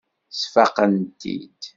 Sfaqent-t-id.